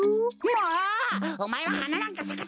もうおまえははななんかさかせないでいい！